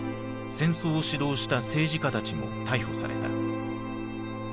戦争を指導した政治家たちも逮捕された。